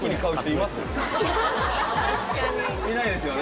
いないですよ